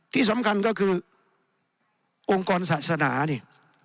ที่สำคัญก็คือองค์กรศาสนานี่